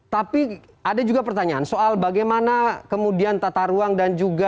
tapi ada juga pertanyaan soal bagaimana kemudian tata ruang dan juga